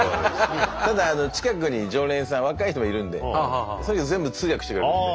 ただ近くに常連さん若い人もいるんでその人全部通訳してくれるんで。